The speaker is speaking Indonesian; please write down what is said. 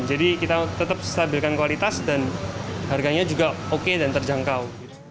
jadi kita tetap stabilkan kualitas dan harganya juga oke dan terjangkau